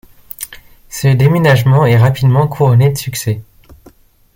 Ce déménagement est rapidement couronné de succès.